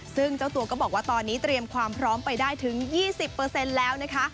ซึ่งเจ้าตัวก็บอกว่าตอนนี้เตรียมความพร้อมไปได้ถึง๒๐แล้วนะคะ